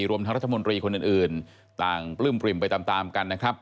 รวมทั้งรัฐมนตรีคนอื่นต่างปลื้มปริ่มไปตามกันนะครับ